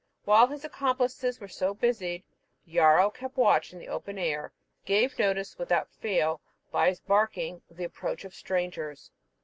While his accomplices were so busied, Yarrow kept watch in the open air, and gave notice, without fail, by his barking, of the approach of strangers.